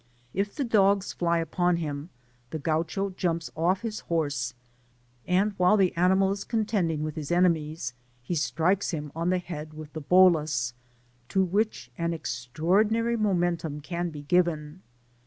If the dogs fly upon him, the Gaucho jumps off his horse, and while the animal is contending with his enemies, he strikes him on the head with the balls, to which an extraordinary momentum can be given.